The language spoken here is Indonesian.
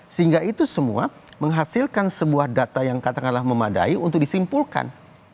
sehingga itu semua menghasilkan sebuah data yang katakanlah memadai untuk disimpulkan